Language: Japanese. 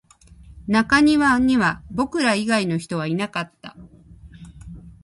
中庭には僕ら以外の人はいなかった